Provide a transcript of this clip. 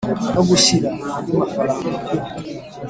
no gushyira andi mafaranga ku